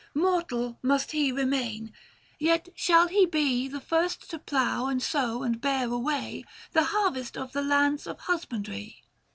Mortal must he remain ; yet shall he be The first to plough and sow and bear away The harvest of the lands of husbandry."